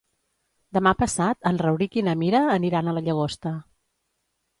Demà passat en Rauric i na Mira aniran a la Llagosta.